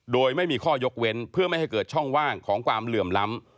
โดยไม่มีข้อยกเว้นเพื่อไม่ให้เกิดช่องว่างของความเหลื่อมล้ำ